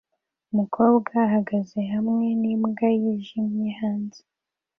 Umukobwa ahagaze hamwe n'imbwa yijimye hanze